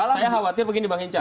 saya khawatir begini bang hinca